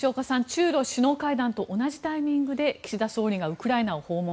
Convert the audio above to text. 中ロ首脳会談と同じタイミングで岸田総理がウクライナを訪問。